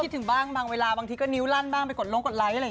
ถึงบ้างบางเวลาบางทีก็นิ้วลั่นบ้างไปกดลงกดไลค์อะไร